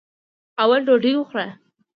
اول ډوډۍ وخوره.